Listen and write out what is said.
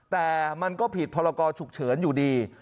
แต่มันก็ผิดพรกรฉุกเฉินอยู่ดี